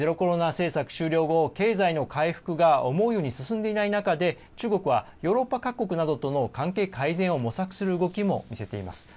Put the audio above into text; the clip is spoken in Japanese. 政策終了後、経済の回復が思うように進んでいない中で中国はヨーロッパ各国などとの関係改善を模索する動きも見せています。